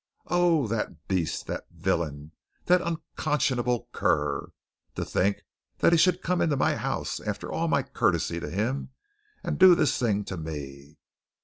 Oh, that beast! That villain! that unconscionable cur! To think that he should come into my house after all my courtesy to him and do this thing to me.